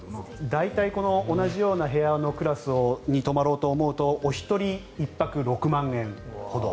大体同じようなクラスの部屋に泊まろうと思うとお一人、１泊６万円ほど。